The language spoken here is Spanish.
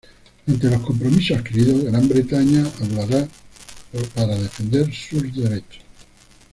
Ante los compromisos adquiridos, Gran Bretaña hablará para defender sus derechos.